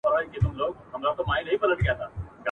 یوه ژاړي بلي خپل ګرېوان څیرلی ..